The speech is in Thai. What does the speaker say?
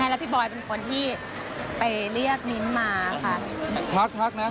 แล้วพี่บอยเป็นคนที่ไปเรียกมิ้นมาค่ะ